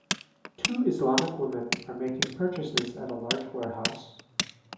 Two Islamic women are making purchases at a large warehouse.